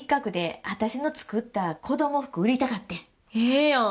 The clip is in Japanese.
ええやん！